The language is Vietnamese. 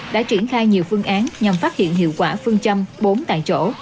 đã triển khai nhiều phương án nhằm phát hiện hiệu quả phương châm bốn tại chỗ